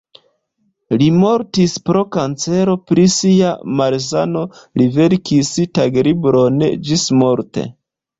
Li mortis pro kancero, pri sia malsano li verkis taglibron ĝismorte.